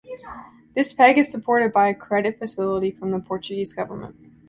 This peg is supported by a credit facility from the Portuguese government.